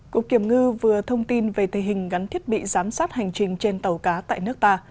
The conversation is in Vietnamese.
cục kiểm ngư vừa thông tin về thể hình gắn thiết bị giám sát hành trình trên tàu cá tại nước ta